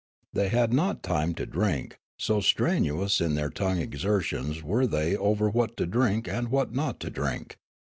They had not time to drink, so strenuous in their tongue exertions were they over what to drink and what not to drink.